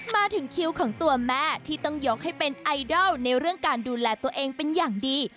มาถึงคิวของตัวแม่ที่ต้องยกให้เป็นไอดอลในเรื่องการดูแลตัวเองเป็นอย่างดี